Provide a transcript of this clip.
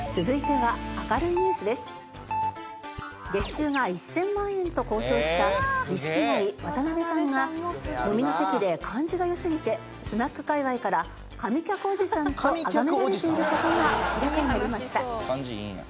月収が１０００万円と公表した錦鯉渡辺さんが飲みの席で感じが良すぎてスナック界隈から「神客おじさん」とあがめられている事が明らかになりました。